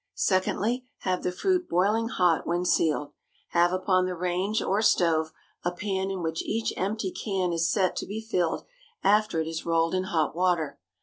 Secondly, have the fruit boiling hot when sealed. Have upon the range or stove a pan in which each empty can is set to be filled after it is rolled in hot water.